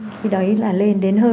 thì đấy là lên đến hơn một mươi bốn bốn